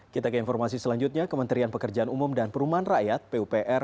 kita ke informasi selanjutnya kementerian pekerjaan umum dan perumahan rakyat pupr